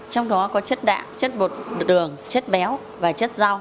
trong đó có chất đạm chất bột đường chất béo và chất rau